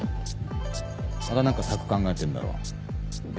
また何か策考えてんだろ。え？